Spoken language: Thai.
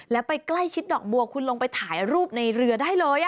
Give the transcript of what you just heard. แล้วไปใกล้ชิดดอกบัวคุณลงไปถ่ายรูปในเรือได้เลย